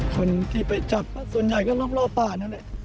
คนที่ไปจับส่วนใหญ่ก็รอบป่าน